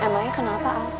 emangnya kenapa al